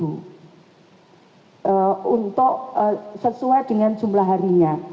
untuk sesuai dengan jumlah harinya